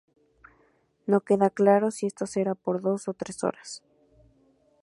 No queda claro si esto será por dos o tres horas.